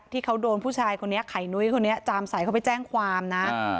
ที่เขาโดนผู้ชายคนนี้ไข่นุ้ยคนนี้จามใสเขาไปแจ้งความนะ